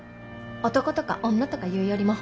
男とか女とか言うよりも。